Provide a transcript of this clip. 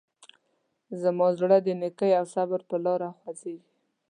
زما زړه د نیکۍ او صبر په لاره خوځېږي.